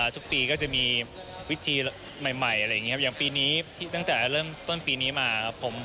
ช่วงปีก็จะมีวิธีใหม่อย่างปีนี้ตั้งแต่เริ่มต้นปีนี้มา